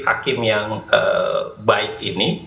hakim yang baik ini